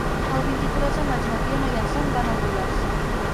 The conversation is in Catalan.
El vint-i-tres de maig na Fiona i en Sam van a Nules.